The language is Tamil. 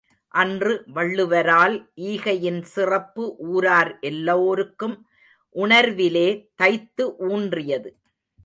அன்று வள்ளுவரால் ஈகையின் சிறப்பு ஊரார் எல்லோர்க்கும் உணர்விலே தைத்து ஊன்றியது.